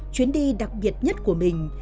chuyến đi đặc biệt nhất của mình